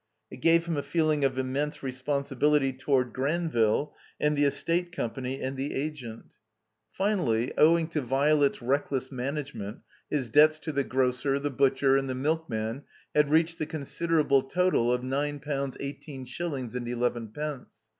It gave him a feeling of immense responsi bility toward Granville, and the Estate Company, and the agent. 293 THE COMBINED MAZE Finally, owing to Violet's reckless management, his debts to the grocer, the butcher, and the milk man had reached the considerable total of nine pounds eighteen shillings and eleven x)ence.